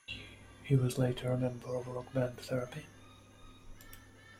He was later a member of rock band Therapy?